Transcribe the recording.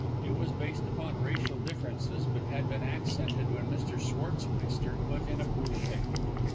It was based upon racial differences, but had been accented when Mr. Schwartzmeister put in a pool table.